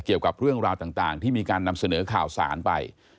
เกี่ยวกับเรื่องราวต่างที่มีการนำเสนอข่าวสารไป